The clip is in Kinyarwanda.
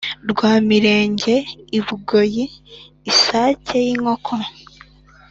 Rwamirenge i Bugoyi-Isake y'inkoko.